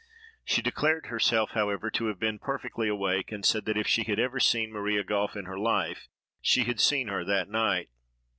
She declared herself, however, to have been perfectly awake, and said that if she had ever seen Maria Goffe in her life she had seen her that night.